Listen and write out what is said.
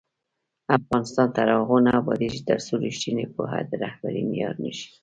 افغانستان تر هغو نه ابادیږي، ترڅو ریښتینې پوهه د رهبرۍ معیار نه شي.